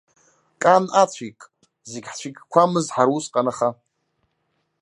Кан ацәикк, зегь ҳцәиккқәамыз ҳара усҟан аха.